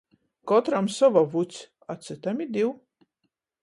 Kotram sova vuts, a cytam i div.